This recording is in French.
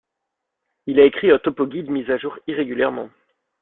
Il a écrit un topo-guide mis à jour irrégulièrement.